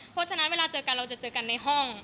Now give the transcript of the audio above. เพราะฉะนั้นเวลาเจอกันเราจะเจอกันในห้อง